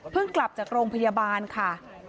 เพิ่งกลับจากโรงพยาบาลค่ะ